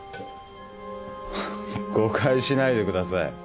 誤解しないでください。